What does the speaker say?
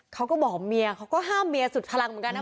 เขาก็บอกเมียเขาก็ห้ามเมียสุดพลังเหมือนกันนะ